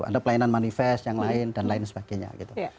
ada pelayanan manifest yang lain dan lain sebagainya gitu